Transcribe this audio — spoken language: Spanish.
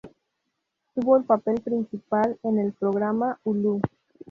Tuvo el papel principal en el programa Hulu'